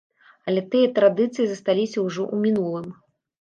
Але тыя традыцыі засталіся ўжо ў мінулым.